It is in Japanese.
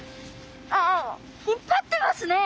ああ引っぱってますね！